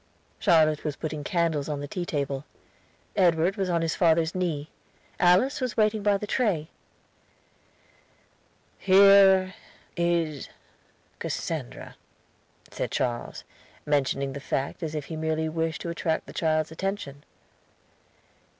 Charlotte was putting candles on the tea table. Edward was on his father's knee; Alice was waiting by the tray. "Here is Cassandra," said Charles, mentioning the fact as if he merely wished to attract the child's attention.